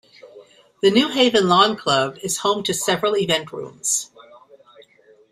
The New Haven Lawn Club is home to several event rooms.